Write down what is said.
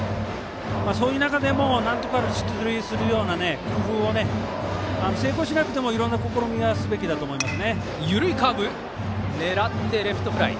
そういう中でも、なんとか出塁するような工夫を成功しなくてもいろんな試みをするべきだと思います。